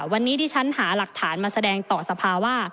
วันนี้ที่ฉันหาหลักฐานมาแสดงต่อสภาว่า